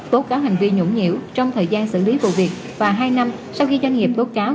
tố cáo hành vi nhũng nhiễu trong thời gian xử lý vụ việc và hai năm sau khi doanh nghiệp báo cáo